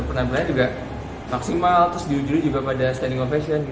pernah belanya juga maksimal terus diujuri juga pada standing ovation gitu